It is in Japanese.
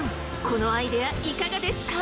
このアイデアいかがですか？